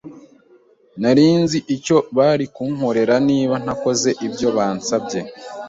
Nari nzi icyo bari kunkorera niba ntakoze ibyo basabye.